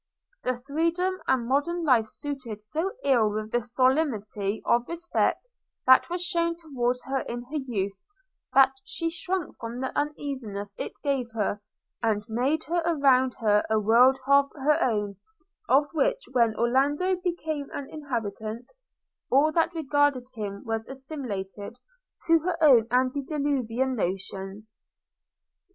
The freedom of modern life suited so ill with the solemnity of respect that was shown towards her in her youth, that she shrunk from the uneasiness it gave her, and made around her a world of her own: of which when Orlando became an inhabitant, all that regarded him was assimilated to her own antediluvian notions.